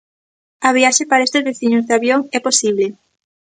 A viaxe para estes veciños de Avión é posible.